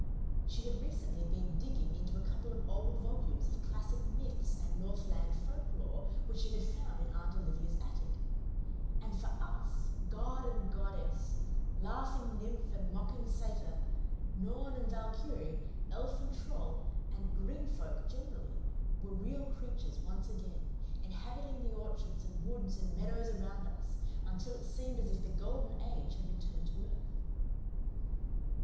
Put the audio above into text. She had recently been digging into a couple of old volumes of classic myths and northland folklore which she had found in Aunt Olivia's attic; and for us, god and goddess, laughing nymph and mocking satyr, norn and valkyrie, elf and troll, and "green folk" generally, were real creatures once again, inhabiting the orchards and woods and meadows around us, until it seemed as if the Golden Age had returned to earth.